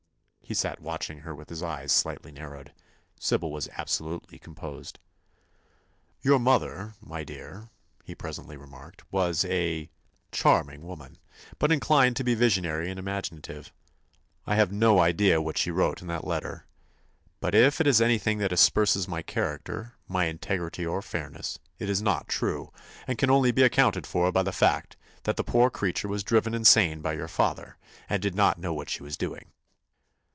He sat watching her with his eyes slightly narrowed. Sybil was absolutely composed. "Your mother, my dear," he presently remarked, "was a—charming woman, but inclined to be visionary and imaginative. I have no idea what she wrote in that letter, but if it is anything that asperses my character, my integrity or fairness, it is not true, and can only be accounted for by the fact that the poor creature was driven insane by your father, and did not know what she was doing."